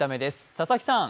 佐々木さん。